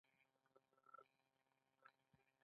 ما څو وارې ورته زنګ وواهه.